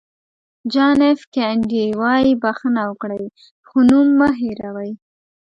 جان اېف کینېډي وایي بښنه وکړئ خو نوم مه هېروئ.